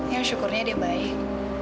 yang syukurnya dia baik